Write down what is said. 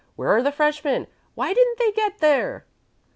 "Where are the freshmen?" "Why didn't they get there?"